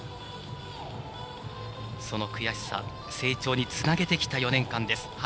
その悔しさ成長につなげてきた４年間です。